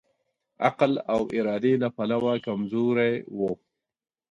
عقل او ارادې له پلوه کمزوری وو.